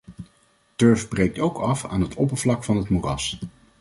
Turf breekt ook af aan het oppervlak van het moeras.